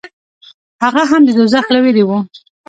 هغه هم د دوزخ له وېرې و.